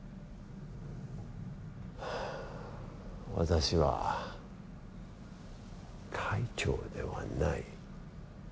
はぁ私は会長ではない。